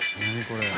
これ。